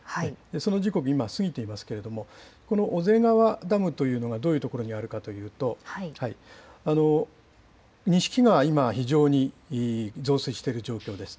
その時刻今過ぎていますけれども、この小瀬川ダムというのがどういう所にあるかというと、錦川、今、非常に増水している状況です。